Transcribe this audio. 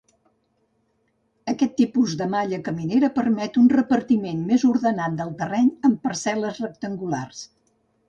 Aquest tipus de malla caminera permet un repartiment més ordenat del terreny en parcel·les rectangulars.